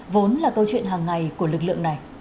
vốn là câu chuyện hàng ngày của lực lượng này